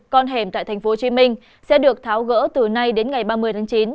con hẻm tại tp hcm sẽ được tháo gỡ từ nay đến ngày ba mươi tháng chín